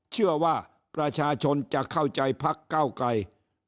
เชื่อว่าประชาชนจะเข้าใจพักเก้าไกล